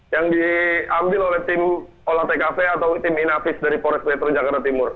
yang diambil oleh tim olah tkp atau tim inavis dari pores metro jakarta timur